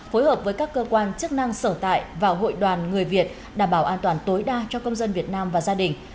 phối hợp với các cơ quan chức năng sở tại và hội đoàn người việt đảm bảo an toàn tối đa cho công dân việt nam và gia đình